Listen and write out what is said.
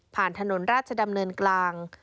ถนนราชดำเนินกลาง